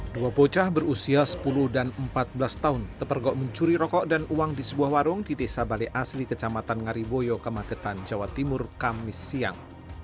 dua bocah berusia sepuluh dan empat belas tahun tepergok mencuri rokok dan uang di sebuah warung di desa balai asli kecamatan ngariboyo kemagetan jawa timur kamis siang